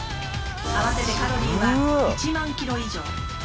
合わせてカロリーは１万キロ以上。